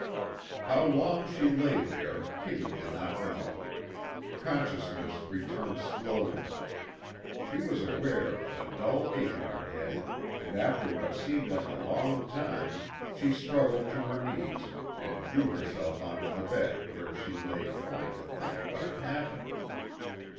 How long she lay there, Kitty did not know. Consciousness returned slowly. She was aware of a dull ache in her head, and after what seemed like a long time she struggled to her knees and drew herself onto the bed where she lay trying to think what had happened.